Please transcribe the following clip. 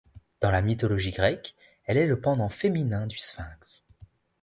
Dans la mythologie grecque, elle est le pendant féminin du sphinx.